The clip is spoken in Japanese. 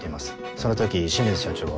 その時清水社長は。